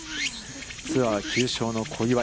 ツアー９勝の小祝。